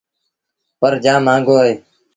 پر جآم مآݩگو اهي۔